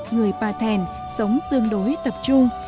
người bà thèn sống tương đối tập trung